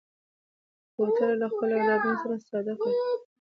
کوتره له خپلو اولادونو سره صادقه ده.